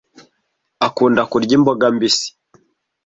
Akunda kurya imboga mbisi.